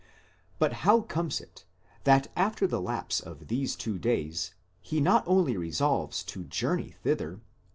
But how comes it that after the lapse of these twe days, he not only resolves to journey thither (v.